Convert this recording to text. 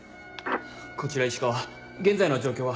こちら石川現在の状況は？